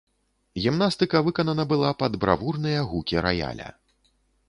Гімнастыка выканана была пад бравурныя гукі раяля.